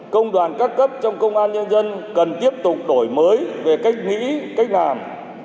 công đoàn các cấp trong công an nhân dân cần tiếp tục đổi mới về cách nghĩ cách làm